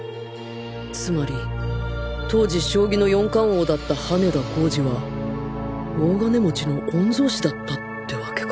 つまり当時将棋の四冠王だった羽田浩司は大金持ちの御曹司だったってわけか